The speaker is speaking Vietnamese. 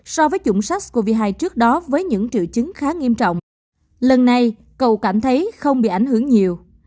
so với chủng sars cov hai trước đó với những triệu chứng khá nghiêm trọng lần này cầu cảm thấy không bị ảnh hưởng nhiều